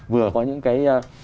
vừa có những cái